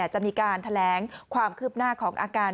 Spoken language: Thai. จะมีการแถลงความคืบหน้าของอาการ